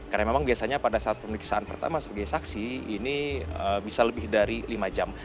karena memang biasanya pada saat pemeriksaan pertama sebagai saksi ini bisa lebih dari lima jam